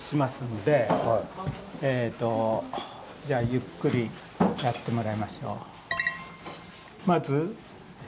じゃあゆっくりやってもらいましょう。